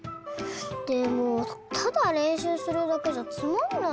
でもただれんしゅうするだけじゃつまんないよ。